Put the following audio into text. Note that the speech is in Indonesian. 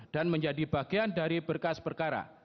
dan menjadi bagian dari berkas perkara